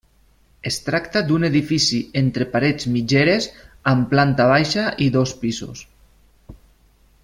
Es tracta d'un edifici entre parets mitgeres amb planta baixa i dos pisos.